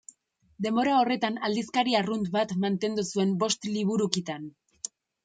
Denbora horretan, aldizkari arrunt bat mantendu zuen bost liburukitan.